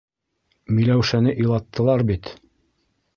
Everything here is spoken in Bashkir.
— Миләүшәне илаттылар бит.